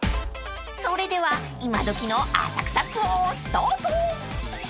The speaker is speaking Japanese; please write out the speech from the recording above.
［それではイマドキの浅草ツアースタート］